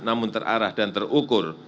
namun terarah dan terukur